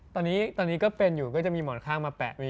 ตอนนี้ก็เป็นอยู่ก็จะมีหมอนข้างมา๘ปี